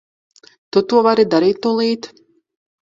To tu vari darīt tūlīt.